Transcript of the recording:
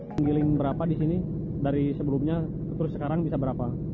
penggiling berapa di sini dari sebelumnya terus sekarang bisa berapa